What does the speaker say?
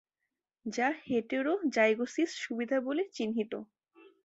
যা হেটেরোজাইগোসীয় সুবিধা বলে চিহ্নিত।